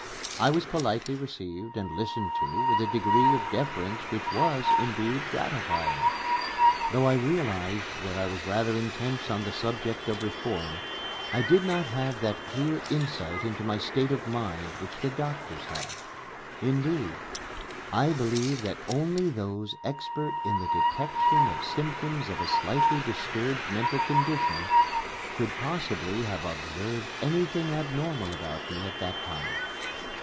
I was politely received and listened to with a degree of deference which was, indeed, gratifying. Though I realized that I was rather intense on the subject of reform, I did not have that clear insight into my state of mind which the doctors had. Indeed, I believe that only those expert in the detection of symptoms of a slightly disturbed mental condition could possibly have observed anything abnormal about me at that time.